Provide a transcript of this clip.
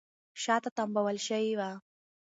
شاته تمبول شوې وه